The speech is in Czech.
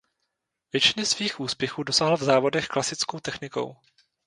Většiny svých úspěchů dosáhl v závodech klasickou technikou.